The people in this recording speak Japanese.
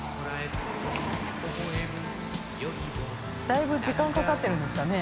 だいぶ時間かかってるんですかね？